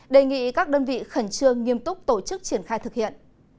đề nghị các đơn vị khẩn trương nghiêm túc tổ chức triển khai thực hiện